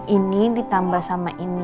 ini ditambah sama ini